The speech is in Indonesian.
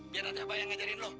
biar ada siapa yang ngajarin lo